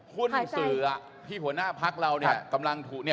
หุ้นเสือที่ผู้หญ้าภักดิ์เราเนี่ย